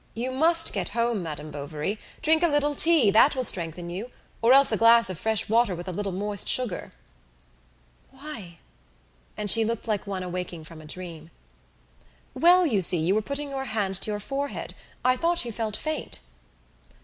You must get home, Madame Bovary; drink a little tea, that will strengthen you, or else a glass of fresh water with a little moist sugar." "Why?" And she looked like one awaking from a dream. "Well, you see, you were putting your hand to your forehead. I thought you felt faint."